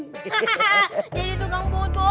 hahaha jadi tukang baut bola